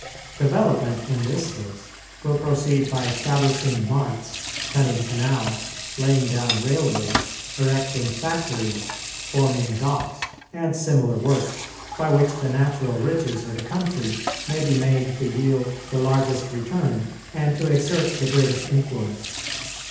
Development in this case will proceed by establishing marts, cutting canals, laying down railroads, erecting factories, forming docks, and similar works, by which the natural riches of the country may be made to yield the largest return and to exert the greatest influence.